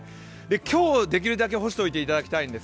今日できるだけ干しておいていただきたいんです。